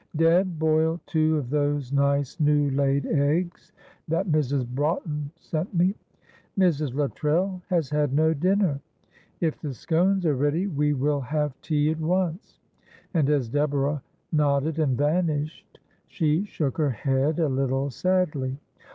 "Deb, boil two of those nice new laid eggs that Mrs. Broughton sent me. Mrs. Luttrell has had no dinner; if the scones are ready we will have tea at once." And as Deborah nodded and vanished, she shook her head a little sadly.